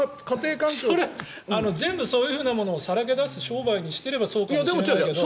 全部そういうのをさらけ出すことを商売にしていればそうかもしれないけど。